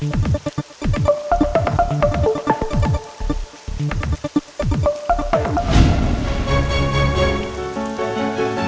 emotions ini udah disitu